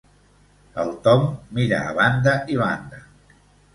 El Tom mira a banda i banda.